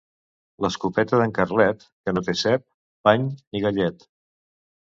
L'escopeta d'en Carlet, que no té cep, pany ni gallet.